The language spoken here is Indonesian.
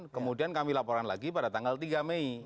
kemudian kami laporan lagi pada tanggal tiga mei